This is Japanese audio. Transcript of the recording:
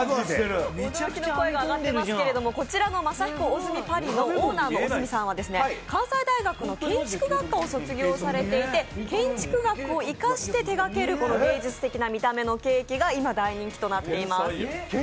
驚きの声が上がっていますが、こちら、ＭａｓａｈｉｋｏＯｚｕｍｉＰａｒｉｓの小住さんはオーナーの小住さんは関西大学の建築学科を卒業されていて、建築学校を生かして手がける芸術的な見た目のケーキが今、大人気になっています。